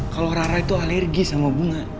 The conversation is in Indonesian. kalau rara itu alergi sama bunga